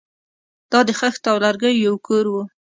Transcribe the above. دا د خښتو او لرګیو یو کور و